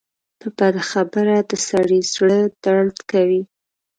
په بده خبره د سړي زړۀ دړد کوي